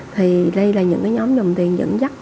thì đây là những nhóm dòng tiền dẫn dắt